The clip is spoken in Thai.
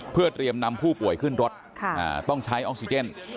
เพื่อเตรียมนำผู้ป่วยขึ้นรถต้องใช้ออกซิเจน